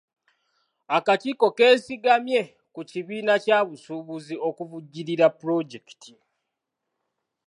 Akakiiko keesigamye ku kibiina bya busuubuzi okuvujjirira pulojekiti.